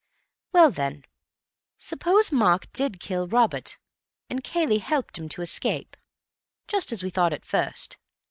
"Well, then, suppose Mark did kill Robert, and Cayley helped him to escape, just as we thought at first.